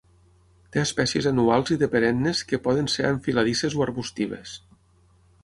Té espècies anuals i de perennes que poden ser enfiladisses o arbustives.